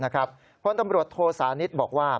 คนตำรวจโทสานิทบอกว่า